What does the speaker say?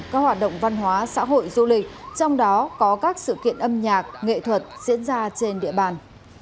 các hoạt động văn hóa xã hội du lịch trong đó có các sự kiện âm nhạc nghệ thuật diễn ra trên địa bàn